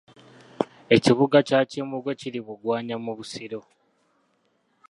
Ekibuga kya Kimbugwe kiri Bugwanya mu Busiro.